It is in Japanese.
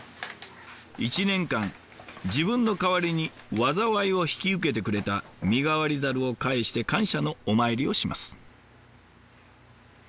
１年間自分の代わりに災いを引き受けてくれた身代わり申を返して感謝のお参りをします。